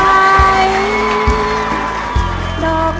ได้แล้วครับ